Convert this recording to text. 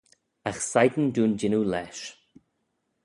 Agh sheign dooin jannoo lesh.